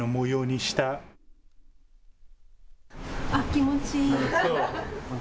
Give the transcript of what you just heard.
気持ちいい。